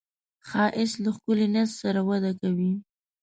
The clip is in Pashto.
ښایست له ښکلي نیت سره وده کوي